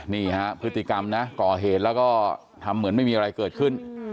นี่ฮะพฤติกรรมนะก่อเหตุแล้วก็ทำเหมือนไม่มีอะไรเกิดขึ้น